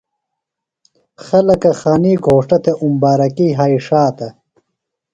خلکہ خانی گھوݜٹہ تھے اُمبارکی یھائی ݜاتہ۔